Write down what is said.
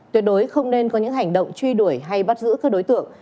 tuyệt đối không nên có những hành động truy đuổi hay bắt giữ các đối tượng